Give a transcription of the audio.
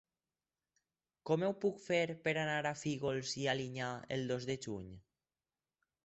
Com ho puc fer per anar a Fígols i Alinyà el dos de juny?